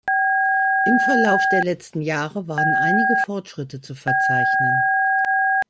Im Verlauf der letzten Jahre waren einige Fortschritte zu verzeichnen.